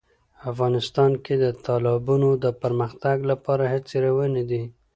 افغانستان کې د تالابونو د پرمختګ لپاره هڅې روانې دي.